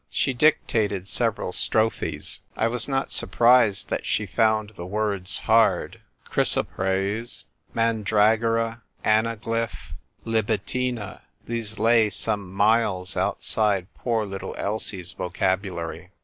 She dictated several strophes. I was not surprised that she found the words hard. " Chrysoprase "" mandragora," " anaglyph," FRESH LIGHT ON ROMEO. 163 " Libitina "— these lay some miles outside poor little Elsie's vocabulary.